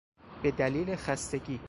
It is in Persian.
به دلیل خستگی